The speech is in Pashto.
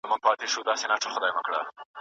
هغه څوک چي مطالعه لري په ټولنه کي ځلېږي.